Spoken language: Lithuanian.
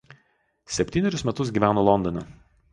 Septynerius metus gyveno Londone.